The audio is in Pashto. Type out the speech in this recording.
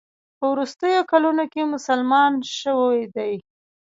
په وروستیو کلونو کې مسلمان شوی دی.